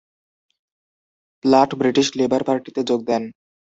প্লাট British Labour পার্টিতে যোগ দেন।